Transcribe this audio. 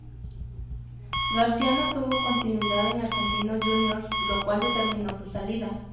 García no tuvo continuidad en Argentinos Juniors, lo cual determinó su salida.